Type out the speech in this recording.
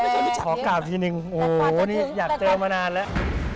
พอกลับทีนึงโอ้โฮนี่อยากเจอมานานแล้ว